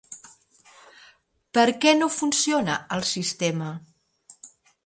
Per què no funciona el sistema?